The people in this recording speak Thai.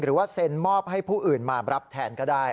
หรือว่าเซ็นมอบให้ผู้อื่นมารับแทนก็ได้